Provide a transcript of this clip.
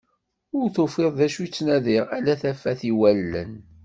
Ur tufiḍ d acu i ttnadiɣ, ala tafat i wallen.